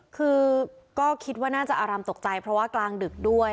คือก็คิดว่าน่าจะอารำตกใจเพราะว่ากลางดึกด้วย